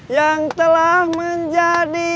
yang telah menjadi